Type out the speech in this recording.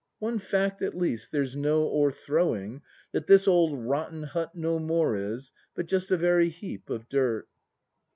One fact, at least, there's no o'erthrowing, That this old rotten hut no more is But just a very heap of dirt!